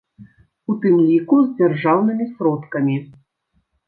У тым ліку, з дзяржаўнымі сродкамі.